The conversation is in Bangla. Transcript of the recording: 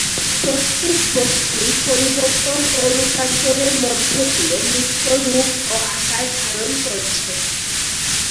প্রত্যেক বস্তুই পরিবর্তন ও রূপান্তরের মধ্য দিয়ে নিত্য রূপ ও আকার ধারণ করছে।